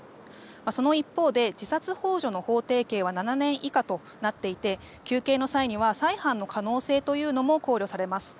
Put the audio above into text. その一方で、自殺幇助の法定刑は７年以下となっていて求刑の際には再犯の可能性も考慮されます。